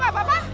buah buah buah